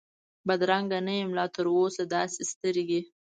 بدرنګه نه یم لا تراوسه داسي سترګې،